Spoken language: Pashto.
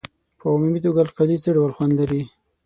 په عمومي توګه القلي څه ډول خوند لري؟